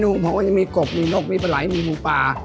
เมนูเพราะว่ามีกบมีนกมีปลายมีหมูปลา